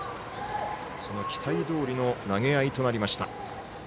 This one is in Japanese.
その期待どおりの投げ合いとなりました。